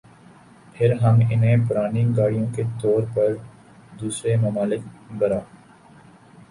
پھر ہم انہیں پرانی گاڑیوں کے طور پر دوسرے ممالک برآ